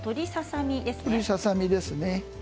鶏ささ身ですね。